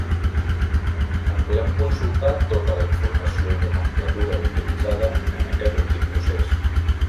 En podem consultar tota la informació i nomenclatura utilitzada en aquest últim procés.